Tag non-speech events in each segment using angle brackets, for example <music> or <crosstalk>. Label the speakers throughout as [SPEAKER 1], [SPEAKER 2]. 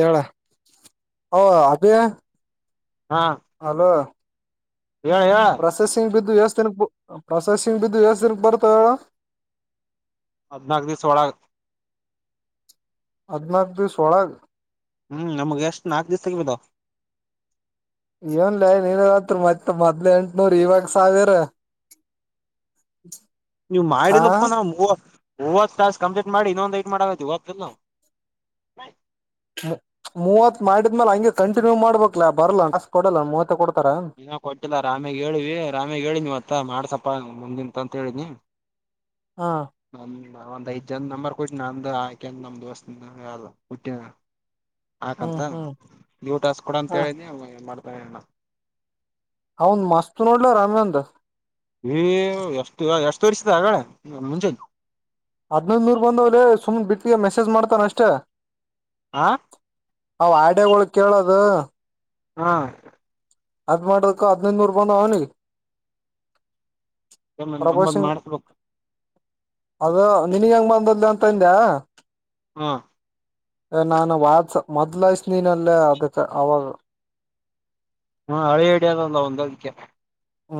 [SPEAKER 1] ಏಳ ಓ ಅಭಿ
[SPEAKER 2] ಹಾ
[SPEAKER 1] ಹಲೋ
[SPEAKER 2] ಹೇಳ ಹೇಳ
[SPEAKER 1] ಪ್ರೊಸೆಸಿಂಗ್ ಬಿದ್ದು ಎಷ್ಟ ದಿನ ಪ್ರೊಸೆಸಿಂಗ್ ಬಿದ್ದು ಎಷ್ಟ ದಿನಕ್ ಬರ್ತಾವ ಹೇಳು
[SPEAKER 2] ಅದಿನಗ ದ ಸ ಒಳಾಗ
[SPEAKER 1] ಹದ್ನಾಕ ದಿವಸ ಹೊಳಗ್
[SPEAKER 2] ಹ್ಮ್ ನಮ್ಗ್ಗೆ ಎಷ್ಟ್ ನಾಲ್ಕು ದಿವಸ ಬಿ ಧವ್
[SPEAKER 1] ಏನ್ಲ ನೀನ್ತ್ರ ಮತ್ತ ಮೊದ್ಲ ಎಂಟನೂರ್ ಇವಾಗ ಸಾವಿರ
[SPEAKER 2] <inaudible> ನೀವು
[SPEAKER 1] ಆ
[SPEAKER 2] ಮಾಡಿದಪ್ಪ ನಾ ಮೂವ ಮೊವತ್ ತಾಸ್ ಕಂಪ್ಲೀಟ್ ಮಾಡಿ ಇನ್ನೊಂದ ಐಟ್ ಮಾಡಾಗೈತಿ ವಾಬ್ದಲ್
[SPEAKER 1] ಮೂವತ್ ಮಾಡಿದ್ಮೇಲೆ ಹಂಗೆ ಕಂಟಿನ್ಯೂ ಮಾಡ್ಬೇಕಕ್ಲ ಬರ್ಲ್ಲ ಕಷ್ಟ ಕೊಡಲ್ಲ ಮೂವತ್ತ ಕೊ
[SPEAKER 2] ಇನ ಕೊಟ್ಟಿಲ್ಲ ರಾಮ್ಯಾಗ ಹೇಳಿವಿ ರಾಮ್ಯಾಗ ಹೇಳ ನೀವತ್ತ ಮಾಡಸಪ್ಪ ಮುಂದಿಂತ ಅಂತ ಹೇಳಿನಿ
[SPEAKER 1] ಹಾ
[SPEAKER 2] ನ ಒಂದ್ ಐದ್ ಜನ ನಂಬರ್ ಕುಟ್ಟ ನ ಅಮ್ದ ಆಕ ನಮ ದೋಸ್ತ ಹೇಳಲ್ಲ ಕುುಟ್ಟಿನ
[SPEAKER 1] ಹ್ಮ್
[SPEAKER 2] ಹಾಕಂತ
[SPEAKER 1] ಹ್ಮ್
[SPEAKER 2] ನೀವು ತಾಸ್ ಕೊಡ ಅಂತ
[SPEAKER 1] ಹ
[SPEAKER 2] ಹೇಳಿದಿ ಮಾಡ್ತಾಣ
[SPEAKER 1] ಅವನ್ ಮಸ್ತ್ ನೋಡ್ಲ ರಾಮನಂದ
[SPEAKER 2] ಎಷ್ಟು ಎಷ್ಟು ವರ್ಷದ ಆಗಡೆ ಮುಂಚೆ
[SPEAKER 1] ಹದ್ನೈದ್ ನೂರ್ ಬಂದವ್ರೆ ಸುಮ್ನೆ ಬಿಟ್ಟಿಗೆ ಮೆಸೇಜ್ ಮಾಡ್ತಾನ ಅಷ್ಟೇ
[SPEAKER 2] ಆ
[SPEAKER 1] ಅವ್ ಆಡಳ ಕೇಳದು
[SPEAKER 2] ಹಾ
[SPEAKER 1] ಅದ್ ಮಾಡದಕ್ಕ ಹದ್ನೈದನೂರು ಬಂದ ಅವನಿ
[SPEAKER 2] ಮ್ಮ ನಮ್ಮದ್ ಮಾಡಸ್ಬೇಕು
[SPEAKER 1] ಅದ ನಿನಗ ಹೆಂಗ್ ಬಂದದ್ ಅಂತ ಹಂದ್ಯಾ
[SPEAKER 2] ಹಾ
[SPEAKER 1] ನಾನು ವಾದಸ ಮೊದ್ಲಾಯಸ ನೀನಲ್ಲೇ ಅದಕ್ಕೆ ಅವಾಗ
[SPEAKER 2] ಹಾ ಹಳೆ ಅಡದಲ್ಲ ಒಂದ ಅದಕ್ಕೆ
[SPEAKER 1] ಹ್ಮ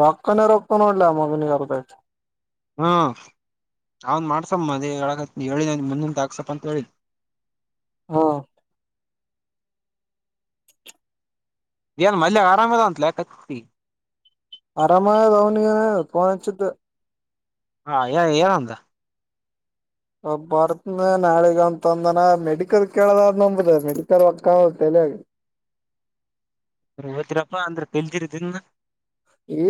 [SPEAKER 1] ರೊಕ್ಕಾನ ರೊಕ್ಕ್ಕ ನ ಮಾಡಲ್ಲ ಮಗ ನೀ ಕದ
[SPEAKER 2] ಹ್ಮ ಅವನ್ ಮಾಡ್ಸಮ್ಮ ಮದ ಹೇಳಕ ಹೇಳಿ ನನ್ ಮುಂದಂದ ಹಾಕ್ಸಪ್ಪ ಅಂತ ಹೇಳ
[SPEAKER 1] ಹಾ
[SPEAKER 2] ಏನ್ ಮನೇಲೆ ಆರಾಮದ ಅಂತಲ ಕತ್ತತಿ
[SPEAKER 1] ಆರಾಮ ವಾದನ ಫೋನ್ ಹಚ್ಚಿದೆ
[SPEAKER 2] ಹಾ ಏನಂದ
[SPEAKER 1] ಬರ್ತ್ ನಾಳಗ ಅಂತಂದನ ಮೆಡಿಕಲ್ ಕೇಳದ್ ನಂಬುದ ಮೆಡಿಕಲ್ಕ್ಕ <unintelligible>
[SPEAKER 2] ಹೋದ್ರಪ್ಪಾ ಅಂದ್ರೆ ತಿಲ್ದಿರದಿಂದ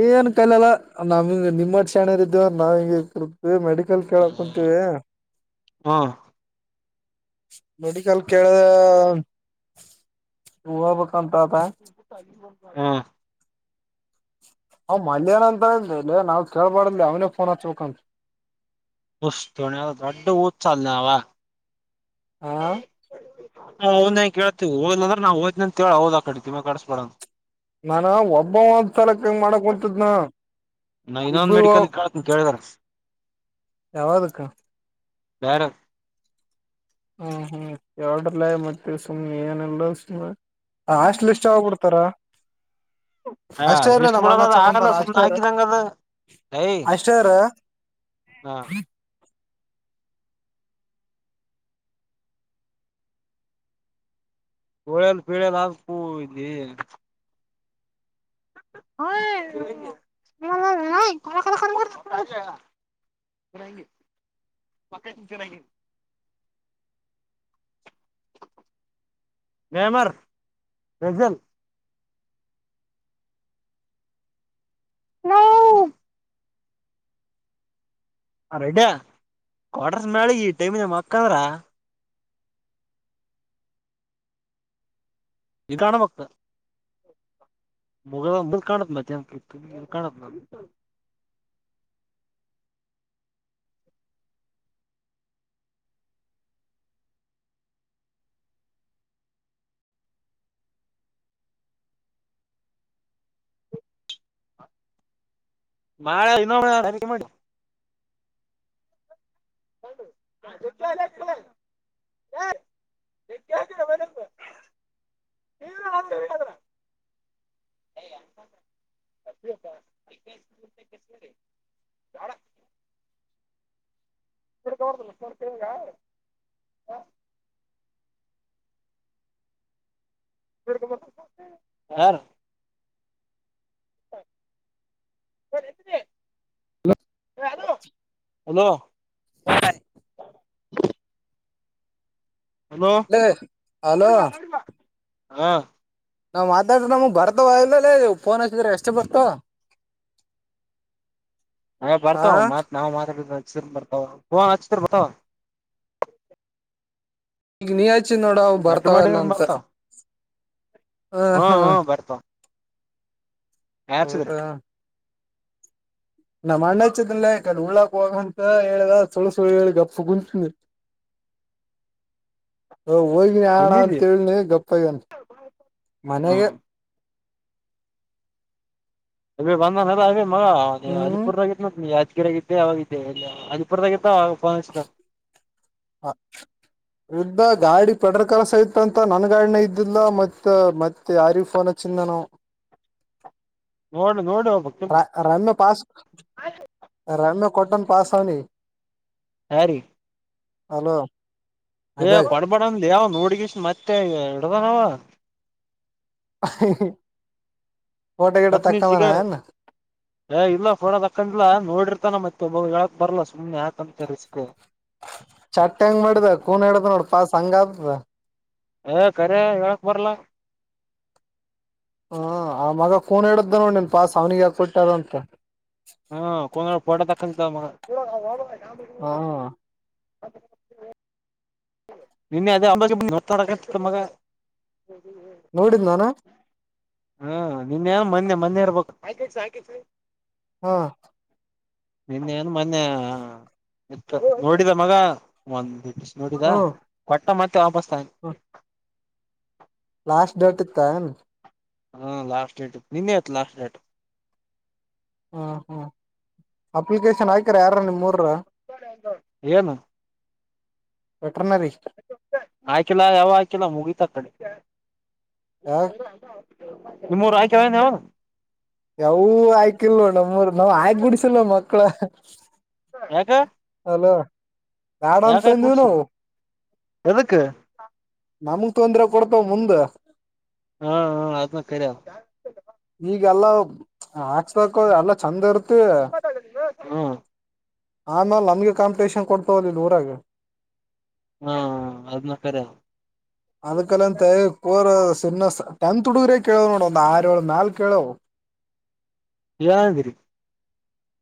[SPEAKER 1] ಏನ್ ಕಾಲಲ್ಲ ನಮ್ ನಿಮ್ಮ್ ಶಣರ ಇದಿದ್ದವು ನಾವ್ ಹಿಂಗಗೆ ಇ ಮೆಡಿಕಲ್ ಕೇಳಕ್ ಕುಂತೀವಿ
[SPEAKER 2] ಹ್ಮ
[SPEAKER 1] ಮೇಡಿಕಲ್ ಕೆಳ <inaudible> ಹೋಗ್ಬೇಕು <unintelligible>
[SPEAKER 2] ಹ್ಮ್
[SPEAKER 1] ಅವ್ನಾ ಮೊದಲೇ ಅಂತ ಅಲ್ಲ್ಲ ನಾವ್ ಕೇಳ್ಬಾರಡ ಅವನೇ ಫೋನ್ ಹಚ್ಬೇಕಂತ
[SPEAKER 2] <unintelligible> ದೊಡ್ಡ ಹುಚ್ಚ ಅವ
[SPEAKER 1] ಹ
[SPEAKER 2] ಹೌದು <inaudible> ಅವನೇನ್ ಕೇಳ್ತತಿವಿ ಹೋದರೆನ್ ದ್ ಅಂತೇಳ ಹೋದ್ ಕಡೆ ತಿಮಾ ಕಡಿಸಸ್ಬಡೋಣ
[SPEAKER 1] ನಾನ ಒಬ್ಬ ಒಂದ್ ಸ್ಥಲಕ್ಕೆಂಗ ಮಾಡಕ್ಂತದ್ನಾ
[SPEAKER 2] ನಾ ಇ ನಾನ್ ಮೆಡಿಕಲ್ ಕೇಳ್ತೀನಿ ಕೇಳಿದಾರ
[SPEAKER 1] ಯಾವ್ದಕ್ಕ
[SPEAKER 2] ಬ್ಯಾರೆ
[SPEAKER 1] ಹ್ಮ್ ಹ್ಮ್ ಯಾಡ್ರಲ್ಲೇ ಮತ್ತೆ ಸುಮಮ್ಮನೆ ಏನಲ್ಲ್ ಸುಮ್ನೆ ಆಸ್ಟ್ ಲಿಸ್ಟ್ ಯಾವಾಗ್ ಬಿಡ್ತಾರಾ
[SPEAKER 2] ಹ್ಮ <inaudible> ಹಾ ಲಿಸ್ಟ್ ಮಾಡದ ಅದ ಆಗಲ್ಲ
[SPEAKER 1] ಹಚ್ಚಕೊಂತಾನ
[SPEAKER 2] ಸುಮ್ನೆ
[SPEAKER 1] ಅಷ್ಟೇ ಇರು
[SPEAKER 2] ಹಾಕಿದಂಗದ ಯ
[SPEAKER 1] ಅಷ್ಟೇ ಇರು
[SPEAKER 2] ಹಾ ಒಳೆಲ್ ಪೀಳಲ್ ಆಗ್ಬೇಕು ಇಲ್ಲಿ <inaudible> <inaudible> ನಯಮಾರ್ ರಸೆಲ್ <inaudible> ರೆಡ್ಯಾ ಕ್ಟರ್ಸ್ ಮ್ಯಾಲ ಈ ಟೈಮ ಮಲ್ಕೊಂಡ್ರ ಈ ಕಾಣಬೇಕು ಮುಗ ಮುಲ ಕಾಣುತ್ತ ಮಾತ ಕಾಣ ನ <inaudible> <inaudible> ಮಾಳೆ ಇನ್ನೊಳೆ ಹಾರಕೆ ಮಾಡಿ <inaudible> <inaudible> ಕ ಕ ಬರಬ <inaudible> <inaudible> ಕೊಡೋದಿಲ್ಲ ಕೊಡುತ್ತೀವಾಗ <unintelligible> ಯಾರು ಬ <inaudible> ಹಲೋ ಹಲೋ
[SPEAKER 1] ಲೆ ಹಲೋ ನಾವ್ ಮಾತಾಡ್ರ ನಮಗ್ ಬರ್ತವ ಇಲ್ಲಲ್ಲ ಫೋನ್ ಹಾಕಿದ್ರ ಎಷ್ಟ ಬರ್ತ
[SPEAKER 2] ಅ ಬರ್ತಾವ ಮಾತ್ ನಾ ಮಾತಾಡ ಹಚ್ಚರ್ ಬರ್ತಾವ ಫೋನ್ ಹಚ್ಚಿದರ್ ಬರ್ತಾವ
[SPEAKER 1] ಈಗ ನೀ ಹಚ್ ಹಚ್ಚಿ ನೋಡ ಅವು
[SPEAKER 2] ಎಡ್
[SPEAKER 1] ಬರ್ತಾವ ಇಲ್ಲ
[SPEAKER 2] ಮಾಡಿದ್ರ
[SPEAKER 1] ಅಂತ
[SPEAKER 2] ಬರ್ತಾವ
[SPEAKER 1] ಹ ಹಾ
[SPEAKER 2] ಯಾರ್ಸಿದ್ರ
[SPEAKER 1] ಹೌದಾ ನಮ್ಮ್ ಅಣ್ಣ ಅಚ್ಚದಲ್ಲ ಕಡೆ ಉಳ್ಳಾಕ ಹೋಗಮ ಅಂತ ಹೇಳದ ಸುಳು ಸುಳ್ಳು ಹೇಳಿ ಗಪ್ ಕುಂತಿನಿ.
[SPEAKER 2] <inaudible>
[SPEAKER 1] ಹೋಗ್ನ ಆಣ
[SPEAKER 2] ಎಲ್ಲಿದ್ದಿ
[SPEAKER 1] ಅಂತೇಳನಿ ಗಪ್ಪ ಅಗ್ಯಾನ ಮನೆಗೆ.
[SPEAKER 2] ಹ್ಮ್ ಅಭಿ ಬಂದನಿಲ್ಲ ಅಭಿ ಮಗ
[SPEAKER 1] ಹ್ಮ್
[SPEAKER 2] ಅಲಿಪುರ್ದಾಗ ಇದ್ದಾನಂತ ಯಾಡ ಅವಗಿದ್ದೆ ಅಳಿಪುರದಾಗ ಇದ್ದ ಅವ.
[SPEAKER 1] <inaudible> ಗಾಡಿ ಪೆಟ್ರೋಲ್ ಕಲಾಸ ಇತ ಅಂತ ನನ್ ಗಾಡಿನ ಇದ್ದಿದಿಲ್ಲ ಮತ್ತ ಮತ್ತೆ ಯಾರಿಗೆ ಫೋನ ಅಚ್ಚಿಂದವ ನಾನು
[SPEAKER 2] ನೋಡ್ ನೋಡಿ
[SPEAKER 1] ರ
[SPEAKER 2] ಹೋಗ್ಬೇಕಲ್ಲ
[SPEAKER 1] ರಮ್ಯಾ ಪಾಸ್ ರಮ್ಯಾ ಕೊಟ್ಟನ್ ಪಾಸ್ ಅವ್ನಿಗೆ.
[SPEAKER 2] ಯಾರಿಗೆ.
[SPEAKER 1] ಹಲೋ
[SPEAKER 2] ಏ ಕೊಡಬೇಡ ಅನ್ಲೇ ಯವ ನೋಡ್ಗೀಸಿ ಮತ್ತೆ ಇಡದನಾವ.
[SPEAKER 1] ಪೋಟೋ ಗಿಟ
[SPEAKER 2] ಮತ್ ನೀವ್ ಸಿಗ
[SPEAKER 1] ತಕ್ಕಂದಿನ.
[SPEAKER 2] ಏ ಇಲ್ಲ ಪೋಟೋ ತಕ್ಕಂಡಿಲ್ಲ ಹ ನೋಡಿರ್ತಾನ ಮತ್ತೆ ಒಬ್ಬಾಗ ಹೇಳಕ್ ಬರ್ಲಾ ಸುಮನೆ ಯಾಕಂತ ರಿಸ್ಕ್.
[SPEAKER 1] ಚಟ್ ಹೆಂಗ್ ಮಾಡಿದ ಕೂನ್ ಹಿಡದ ನೋಡ ಪಾಸ್ ಹಂಗ ಆತದ.
[SPEAKER 2] ಹ ಕರೆ ಹೆಳಕ್ ಬರ್ಲ.
[SPEAKER 1] ಹ ಆ ಮಗ ಕುನ್ ಇಡದ್ದ ನೋಡ್ ನೀನ್ ಫಾಸ್ ಅವ್ನಿಗೆ ಯಾಕ ಕೊಟ್ಟಿ ಅದು ಅಂತ.
[SPEAKER 2] ಹಾ ಕಂದ ಫೋಟೋ ತಕ್ಕಂಡಿದ್ದ ಮಗ.
[SPEAKER 1] ಹ್ಹಾ.
[SPEAKER 2] ನಿನ್ನೆ <unintelligible> ಮಾತು ಅಡಕಟ್ಟಿದ್ದೆ ಮಗ.
[SPEAKER 1] ನೋಡಿದ್ ಅನು.
[SPEAKER 2] ಹಾ ನಿನ್ ಏನ್ ಮೊನ್ನೆ ಮೊನ್ನೆ ಇರ್ಬೇಕ.
[SPEAKER 1] ಹ್ಹಾ.
[SPEAKER 2] ನಿನ್ನೆ ನು ಮೊನ್ನೆ ಇ ನೋಡಿದ ಮಗ ಒಂದ್ ನೋಡಿದ
[SPEAKER 1] ಹ್ಮ್
[SPEAKER 2] ಕೊಟ್ಟ ಮತ್ತೆ ವಾಪಸ್ ತಾನೇ.
[SPEAKER 1] ಲಾಸ್ಟ್ ಡೇಟ್ ಇತ್ತೇನ.
[SPEAKER 2] ಹಾ ಲಾಸ್ಟ್ ಡೇಟ್ ಇತ್ತು ನಿನ್ನೆ ಇತ್ತು ಲಾಸ್ಟ್ ಡೇಟ್.
[SPEAKER 1] ಹಾ ಹ್ಮ್ ಅಪ್ಲಿಕೇಶನ್ ಹಾಕ್ಯಾರ ಯಾರನು ನಿಮ್ಮ ಊರೂರು.
[SPEAKER 2] ಏನು
[SPEAKER 1] ವೆಟರ್ನರಿ
[SPEAKER 2] ಹಾಕಿಲ್ಲ ಯಾವ ಆಯ್ಕಿಲ್ಲ ಮುಗಿತ ಅಕಡೆ.
[SPEAKER 1] ಯಾವ್
[SPEAKER 2] ನಿಮ್ಮ ಊರ್ ಆಕ್ಯಾವನ್ ಯವನ.
[SPEAKER 1] ಯವು ಆಯ್ಕಿಲ ನೋಡ್ ನಮ್ಮೂರು ನಾವ್ ಆಗ ಕೊಡ್ಸಿಲ್ಲ ಮಕ್ಳ.
[SPEAKER 2] ಯಾಕ.
[SPEAKER 1] ಬ್ಯಾಡ ಅಂತ ಅಂದೀವು ನಾವು.
[SPEAKER 2] ಎದುಕ್ಕ.
[SPEAKER 1] ನಮಗ್ ತೊಂದ್ರೆ ಕೊಡ್ತವ ಮುಂದ.
[SPEAKER 2] ಹಾ ಹಾ ಅದನ್ನು ಕರೆ ಆದ.
[SPEAKER 1] ಈಗೆಲ್ಲಾ ಹಾಕ್ಸ್ಬೇಕು ಎಲ್ಲ ಚಂದ ಇರ್ತ.
[SPEAKER 2] ಹ್ಮ
[SPEAKER 1] ಆಮೇಲೆ ನಮ್ಗೆ ಕಾಂಪಿಟೇಷನ್ ಕೊಡ್ತವಲ್ಲಿ ಊರಾಗ.
[SPEAKER 2] ಹಾ ಅದನ್ನ ಕರೆ ಆದ.
[SPEAKER 1] ಅದಕಲ್ಲಂತ ಪುರ. ಟೆಂತ್ ಹುಡುಗರೇ ಕೇಳೋವ ನೋಡ ಒಂದು ಆರ್ ಏಳ್ ಮ್ಯಾಲ್ ಕೇಳವು.
[SPEAKER 2] ಏನಂದ್ರಿ.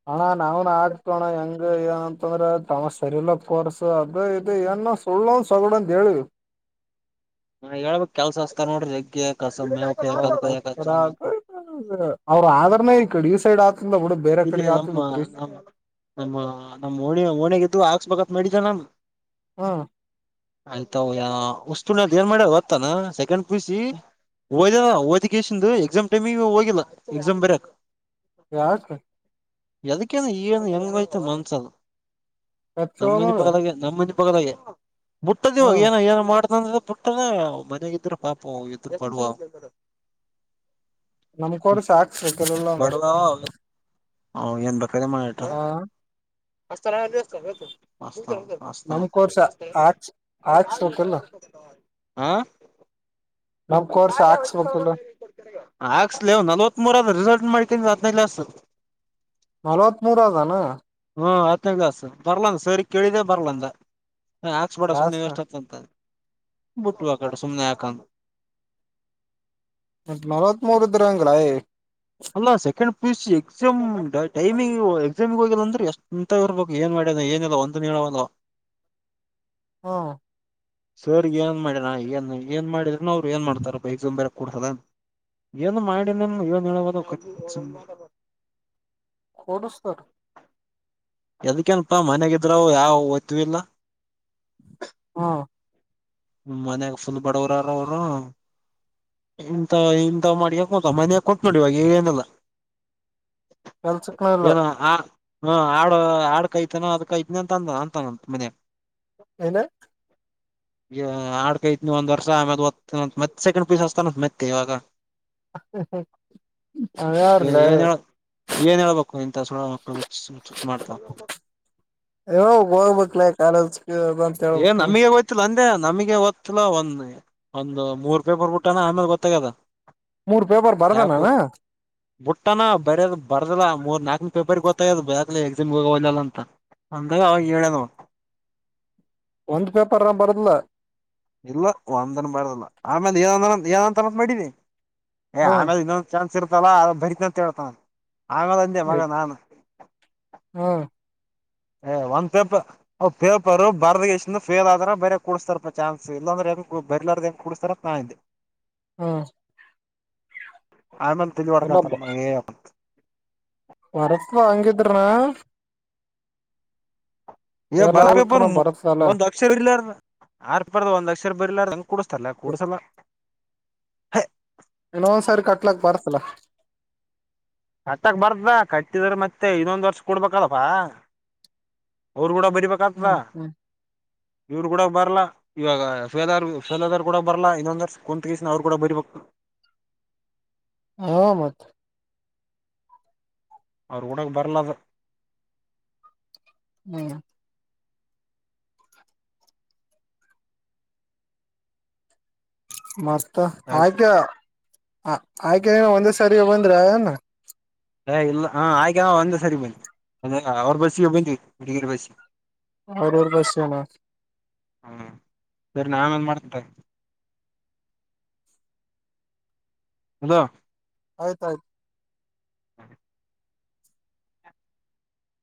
[SPEAKER 1] ಹಣ ನಾವನ್ ಹಾಕ್ತೀವಿ ಅಣ್ಣ ಹೆಂಗ ಏನಂತಂದ್ರ ತಮ್ಮ ಸರಿ ಇಲ್ಲ ಕೋರ್ಸ್ ಅದು ಇದು ಏನ್ ಸುಳ್ಳಂದ ಸೋಗಡೊಂದ ಹೇಳಿವಿ.
[SPEAKER 2] ಹಾ ಹೇಳ್ಬೇಕ ಕೆಲ್ಸ ಹಸ್ತಾರ್ ನೋಡ್ರಿ ಜಗ್ಯ.
[SPEAKER 1] <unintelligible> ಅವ್ರ ಆದ್ರನ ಈ ಕಡೆ ಈ ಸೈಡ್ ಆತ.
[SPEAKER 2] ಇಲ್ಲೆ ನಮ್ಮ ನಮ್ಮ ನಮ್ಮ ನಮ್ಮ ಓಣಿ ಓಣ್ಯಾಗಿದ್ದುವು ಹಾಕ್ಸ್ಬೇಕತ್ ನಡಿ <unintelligible> ನಮ್
[SPEAKER 1] ಹ್ಮ್
[SPEAKER 2] ಆಯ್ತು ಉಸ್ಣ ಏನ್ ಮಾಡ್ಯ ಹೊತ್ತನಾ? ಸೆಕೆಂಡ್ ಪಿಯುಸಿ ಓದಿಲ್ಲ ಓದಿಕೇಸಿಂದ್ ಎಕ್ಸಾಮ್ ಟೈಮಿ ಹೋಗಿಲ್ಲ ಎಕ್ಸಾಮ್ ಬರಿಯಕ್
[SPEAKER 1] ಯಾವ್
[SPEAKER 2] ಯದ್ಕೇನ್ ಈ ಮನಸ್ಸಿಗ
[SPEAKER 1] ಕಚ್ಚ ನೋಡ
[SPEAKER 2] <inaudible> ದೆ ಮುಟ್ಟದ ಇವಾಗ
[SPEAKER 1] ಹ್ಮ್
[SPEAKER 2] ಏನ ಏನೊ ಮಾಡ್ ನ ಬಿಟ್ಟದ ಮನೆಗೆ ಇದ್ರ ಪಾಪ ಎದುರು ಪಡುವ
[SPEAKER 1] ನಮ್ಕ ಅವರು ಸಾಕ್
[SPEAKER 2] ಬ್ಯಾಡವಾ ಹ ಏನ್ ಬಕರೆ ಮಾಡಟ
[SPEAKER 1] ಹಾ
[SPEAKER 2] ಹಸ್ತಾನ್ ಹಸ್ತಾನಂತ ಎಂದೂ ಹಾಸ್ತ್
[SPEAKER 1] ನಮ್ ಕೋರ್ಸ್
[SPEAKER 2] ಹಸ್ತಾ
[SPEAKER 1] ಹಾಕ್ಸ್ ಹಾಕ್ಸ್ಬೇಕಲ್ಲ
[SPEAKER 2] <unintelligible> ಹಾ
[SPEAKER 1] ನಮ್ ಕೋರ್ಸ್ ಹಾಕ್ಸ್ಬೇಕಲ್ಲ
[SPEAKER 2] <unintelligible> ಹಾಕ್ಸ್ ನಲವತ್ ಮೂರ್ ಲೇಟ್ ಮಾಡ್ಕ್ರೆ ಆತ್ನೇ ಲಾಸು
[SPEAKER 1] ನಲ್ವತ್ತ್ ಮೂರ ಅದನು
[SPEAKER 2] ಹ್ಮ್ ಹತ್ತನೇ ಕ್ಲಾಸ್ ಬರ್ಲಂದ್ ಸರ್ ಕೇಳಿದ್ರೆ ಬರ್ಲಂದ ಹಾಕ್ಸ್ ಬೇಡ
[SPEAKER 1] ಯಾಸ
[SPEAKER 2] ಸುಮನೆ ವೇಸ್ಟ್ ಆತಂತ. ಬಟ್ಟುವ ಕಡೆ ಸುಮನೆ ಯಕಾ ಅಂತೊ
[SPEAKER 1] ನಲವತ್ ಮೂರು ಇದ್ದಾರಂಗಾಯಲ್ಲ
[SPEAKER 2] ಅಲ್ಲಾ second P U C exam timing ಎಕ್ಸಾಮಿಗ್ ಹೋಗಿಲ್ಲ ಅಂದ್ರೆ ಎಷ್ಟುಂತ ಇರ್ಬೇಕು ಏನ್ ಮಾಡ್ ಏನಿಲ್ಲ ಒಂದು ನೀವಂಗೊ
[SPEAKER 1] ಹ್ಮ್
[SPEAKER 2] ಸರ್ ಏನ್ ಮಾಡಿರ ಏನ್ ಏನ್ ಮಾಡಿದ್ರನ್ ಅವ್ರು ಏನ್ ಮಾಡ್ತಾರಪ್ಪ ಎಕ್ಸಾಮ್ ಬರಿಸೋಕ್ ಕೊಡ್ಸೋದ ಏನು ಮಾಡಿ ನನು ಇನ್ ಹೇಳ್ಬೇಕು ಸುಮ್
[SPEAKER 1] ಕೂಡಸ್ತಾ
[SPEAKER 2] ಎದಕನಪಾ ಮನೆಗಿದ್ರಾವ ಯಾವ ಒತುವಿಲ್ಲ.
[SPEAKER 1] ಹಾ
[SPEAKER 2] ಹ್ಮ್ ಮನ್ಯಾಗ ಫುಲ್ ಬರೊವರಾರು ಅವರು ಇಂತ ಇಂಥ ಮಾಡಗ ಕೋತ ಮಾನ್ಯ ಕೂತ್ ನೋಡಿ ಇವಾಗ ಏನಲ್ಲ
[SPEAKER 1] ಕೆಲ್ಸಕ್ ವಲ್ಲ
[SPEAKER 2] ಹಾ ಆಡು ಆಡು ಕಾಯತಾನ ಅದ ಕಾಯತನ ಅಂತ ತ ಅಂದ ಅಂತಾನ ಮನಿ
[SPEAKER 1] ಏನ
[SPEAKER 2] ಈ ಆಡ್ ಕೈಐತ್ನ ಒಂದ್ ವರ್ಷ ಆ ಮತ್ತ್ ಸೆಕಂಡ್ ಪೀಸ್ ಹಚ್ಚತನ ಅಂತ ತ್ ಮೆತ್ ಕೈ ಇವಾಗ
[SPEAKER 1] ಅವರ್ ಯಾರಲ್ಲೆ
[SPEAKER 2] ಏನ್ ಹೇಳ ಏನ್ ಹೇಳ್ಬೇಕು ಇಂತ ಸುಳೆ ಮಕ್ಳು ಹುಚ್ ಮಾಡ್ತಾ
[SPEAKER 1] ಹ ಹೋಗ್ಬೇಕ್ಲ ಕಾಲೇಜ್ ಅಂತ
[SPEAKER 2] ಏನ್
[SPEAKER 1] ಹೇಳ್ಬೇಕ
[SPEAKER 2] ನಮಗ ಹೋಯ್ತಿಲ್ಲ ಅ ಅ ನಮಗೆ ಗೊತ್ತಿಲ್ಲ ಒಂದ್ ಒಂದು ಮೂರ್ ಪೇಪರ್ ಬಿಟ್ಟಾನ ಆಮೇಲೆ ಗೊತ್ತಾಗದೆ
[SPEAKER 1] ಮೂರ್ ಪೇಪರ್ ಬರ್ದನಾನ
[SPEAKER 2] ಬುಟ್ಟನಾ ಬರ್ಯದ್ ಬರ್ದಾ ಮೂರ್ ನಾಲ್ಕ್ನ ಪೇಪರ್ ಗೊತ್ತಾಗದ ಬಕ್ ಎಕ್ಸಾಮಗೆ ಹೋಗ ಹೋಗಲಲ್ಲ ಅಂತ ಅಂದ್ರೆ ಅವಾಗ ಹೇಳ್ಯಾನ್.
[SPEAKER 1] ಒಂದ್ ಪೇಪರ್ ಬರ್ದಲ
[SPEAKER 2] ಇಲ್ಲ ಒಂದನ್ ಬಾರಲ್ಲ ಆಮೇಲೆ ಏನ್ ಏನೊಂತರ ಅಂತಾನೆ ಮಾಡಿನಿ
[SPEAKER 1] ಹಾ
[SPEAKER 2] ಆಮೇಲೆ ಇನ್ನೊಂದ್ ಚಾನ್ಸ್ ಬರ್ತಲ್ಲ ಅ ಬರಿತ ಅಂತ ಹೇಳ್ತಾನ್ ಆಮೇಲೆ ಅಂದೆ ಮಗ ನಾನು
[SPEAKER 1] ಹ್ಮ್
[SPEAKER 2] ಏ ಒಂದ್ ಪೇಪರ್ ಪೇಪರ್ ಬರ್ದ ಇಷ್ಟ ಫೇಲ್ ಆದ್ರೆ ಬೇರೆ ಕುಡ್ಸ್ತಾರಪ್ಪ ಚಾನ್ಸ್ ಇಲ್ಲಾಂದ್ರೆ ಬರ್ಲಾರ್ದ ಹೆಂಗ ಕುಡಸ್ತಾರೆ ನಾ <unintelligible>
[SPEAKER 1] ಹಾ
[SPEAKER 2] ಆಮೇನ್ ತೆಳಿವಾಡ್ಕಂತಾರ ಮ್
[SPEAKER 1] ವರಸ ವಂಗಿದ್ರನ <unintelligible> ಫೇಲ್
[SPEAKER 2] ಪೇಪರ್
[SPEAKER 1] ಆಗ್ಲಿಕ್ರನ
[SPEAKER 2] ಮೂ
[SPEAKER 1] ಬರತ್ತಲ್ಲ
[SPEAKER 2] ಒಂದ್ ಅಕ್ಷರ ಇರ್ಲ್ಲಾರ ಆರ್ ಪೇಪರ್ ಲ ಒಂದ್ ಅಕ್ಷರ ಬರ್ಲಾಳರ ಹಂಗ ಕೂಡ್ಸ್ತಾರಲ್ಲ ಕೂಡ್ಸಲ್ಲ ಹೆ
[SPEAKER 1] ಇನ್ನೊಂದ್ ಸರಿ ಕಟ್ಲಾಕ್ ಬರ್ಸಲ್ಲ
[SPEAKER 2] ಕಟ್ಟಕ್ ಬಾರ್ದಾ ಕಟ್ಟಿದ್ರ ಮತ್ತೆ ಇನ್ನೊಂದು ವರ್ಷ ಕೊಡ್ಬೇಕಲ್ಲಪ್ಪ ಅವ್ರುಗೂಡ ಬರೀ ಬಕತಾ
[SPEAKER 1] ಹ್ಮ್ ಹ್ಮ್
[SPEAKER 2] ಇವ್ರು ಕೂಡ ಬರಲ್ಲ ಇವಾಗ ಸಫೇದಾರ್ ಸಫೇಲಾದಾರ್ ಕೂಡ ಬರಲ್ಲ ಇ ಇದೊಂದ್ರ ಕುಂತಗೀಸ ಅವ್ರು ಕೂಡ ಬರಬೇಕ <inaudible>
[SPEAKER 1] ಹ ಮತ್
[SPEAKER 2] ಅವರಾ ಗುಡಕ್ ಬರ್ಲದ
[SPEAKER 1] ಹ್ಮ್ ಮಸ್ತ ಹಾ
[SPEAKER 2] ಅದು
[SPEAKER 1] <unintelligible> ಆ ಆಯ್ಕೆ ನೀನು ಒಂದೇ ಸಾರಿ ಬಂದ್ರನು
[SPEAKER 2] ಹ ಇಲ್ಲ ಹಾ ಆಯ್ಗ ಒಂದ್ ಸರಿ ಬಂದಿಂದಇಲ್ಲ ಲ್ಲ ಅವ್ರ ಬಸ್ಸಿಗೆ ಬಂದ್ವಿ <unintelligible> ಹಡಗಿ <unintelligible> ರ ಬಸ್ಸಿಗೆ
[SPEAKER 1] ಅವರೂರು ಬಸೇನಾ
[SPEAKER 2] ಹ್ಮ ಸರಿ ನನ್ ಆಮೇಲ್ ಮಾಡ್ತೇನ್ ತಗೋ ಹದ
[SPEAKER 1] ಆಯ್ತಾಯ್ತು
[SPEAKER 2] ಹಾ <inaudible>